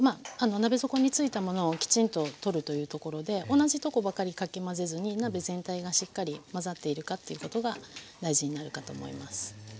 鍋底についたものをきちんと取るというところで同じとこばかりかき混ぜずに鍋全体がしっかり混ざっているかということが大事になるかと思います。